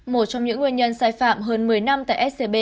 một trong những nguyên nhân sai phạm hơn một mươi năm tại scb